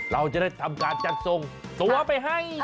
เราจะได้ทำการจัดส่งตัวไปให้